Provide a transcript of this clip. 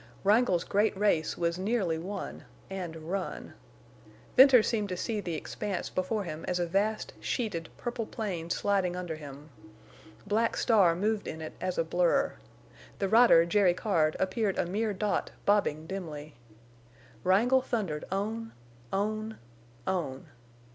Wrangle's great race was nearly won—and run. Venters seemed to see the expanse before him as a vast, sheeted, purple plain sliding under him. Black Star moved in it as a blur. The rider, Jerry Card, appeared a mere dot bobbing dimly. Wrangle thundered on—on—on!